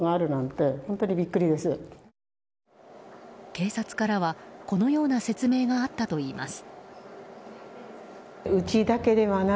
警察からはこのような説明があったといいます。